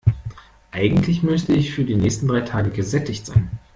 Eigentlich müsste ich für die nächsten drei Tage gesättigt sein.